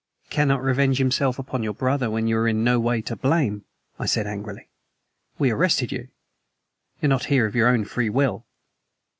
"He cannot revenge himself upon your brother when you are in no way to blame," I said angrily. "We arrested you; you are not here of your own free will."